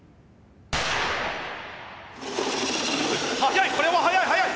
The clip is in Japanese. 速いこれは速い速い！